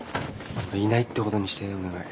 いないってことにしてお願い。